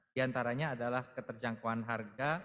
di antaranya adalah keterjangkauan harga